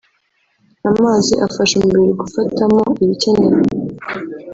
amazi afasha umubiri gufatamo ibikenewe